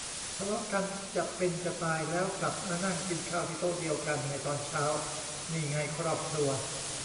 ทะเลาะกันจะเป็นจะตาย แล้วกลับมานั่งกินข้าวที่โต๊ะเดียวกันในตอนเช้า นี่ไง ครอบครัว